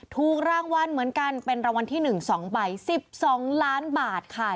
ถูกรางวัลเหมือนกันเป็นรางวัลที่๑๒ใบ๑๒ล้านบาทค่ะ